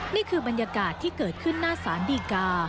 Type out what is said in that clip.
นี่คือบรรยากาศที่เกิดขึ้นหน้าสารดีกา